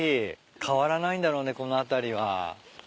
変わらないんだろうねこの辺りは。